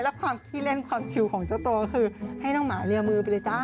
และความขี้เล่นความชิวของเจ้าตัวก็คือให้น้องหมาเรียมือไปเลยจ้า